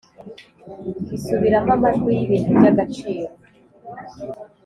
isubiramo amajwi y'ibintu by'agaciro;